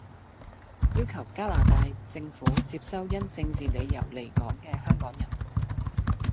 要求加拿大政府接收因政治理由離港既香港人，